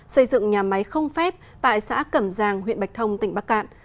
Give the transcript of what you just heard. xây dựng nhà máy không phép tại xã cẩm giang huyện bạch thông tỉnh bắc cạn